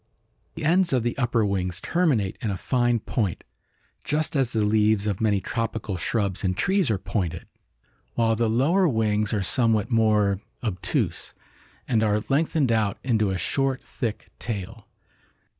"The ends of the upper wings terminate in a fine point, just as the leaves of many tropical shrubs and trees are pointed, while the lower wings are somewhat more obtuse, and are lengthened out into a short thick tail.